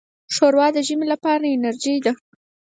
ښوروا د ژمي لپاره انرجۍ ده.